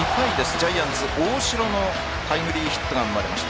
ジャイアンツの大城のタイムリーヒットが生まれました。